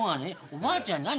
「おばあちゃん何？